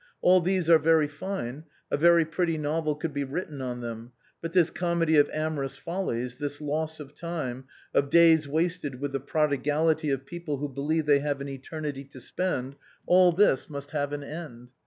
All these are very fine — a very pretty novel could be written on them; but this comedy of amorous follies, this loss of time, of days wasted with the prodi gality of people who believe they have an eternity to spend — all this must have an end.